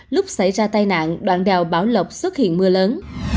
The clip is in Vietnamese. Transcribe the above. lúc xảy ra tai nạn đoạn đèo bảo lộc xuất hiện mưa lớn